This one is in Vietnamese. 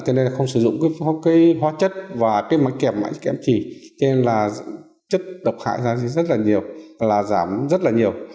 cho nên không sử dụng hóa chất và máy kẽm kẽm chì cho nên là chất độc hại ra rất là nhiều là giảm rất là nhiều